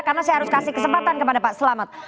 karena saya harus kasih kesempatan kepada pak selamat